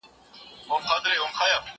ايا ته ځواب ليکې!.